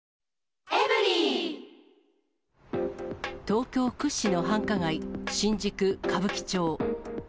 東京屈指の繁華街、新宿・歌舞伎町。